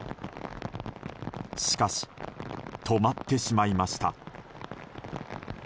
しかし、止まってしまいました。